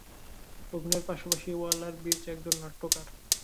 অভিনয়ের পাশাপাশি ওয়ালার-ব্রিজ একজন নাট্যকার।